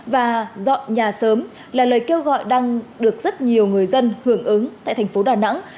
và dọn nhà sớm là lời kêu gọi đang được rất nhiều người dân hưởng ứng tại thành phố đà nẵng